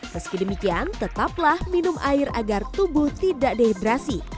meski demikian tetaplah minum air agar tubuh tidak dehidrasi